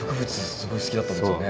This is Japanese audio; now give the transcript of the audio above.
すごい好きだったんですよね。